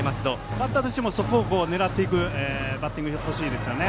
バッターとしてもそこを狙っていくバッティングが欲しいですね。